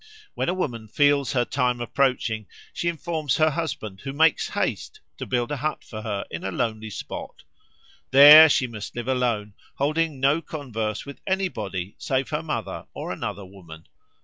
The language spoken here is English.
When a woman feels her time approaching, she informs her husband, who makes haste to build a hut for her in a lonely spot. There she must live alone, holding no converse with anybody save her mother or another woman.